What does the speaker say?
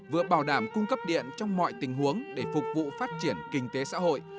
vừa bảo đảm cung cấp điện trong mọi tình huống để phục vụ phát triển kinh tế xã hội